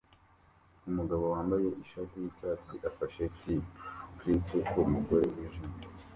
Umugabo wambaye ishati yicyatsi afashe clip clip kumugore wijimye